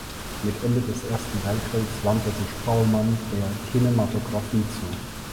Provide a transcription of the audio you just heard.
Mit Ende des Ersten Weltkriegs wandte sich Paulmann der Kinematographie zu.